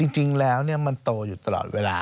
จริงแล้วมันโตอยู่ตลอดเวลา